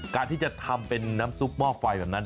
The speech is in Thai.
การที่จะทำเป็นน้ำซุปหม้อไฟแบบนั้น